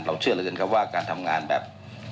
เราเชื่อกันเลยกันว่าการทำงานแบบ